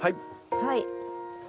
はい。